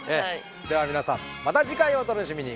では皆さんまた次回をお楽しみに。